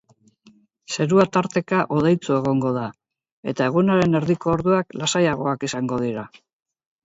Zerua tarteka hodeitsu egongo da, eta egunaren erdiko orduak lasaiagoak izango dira.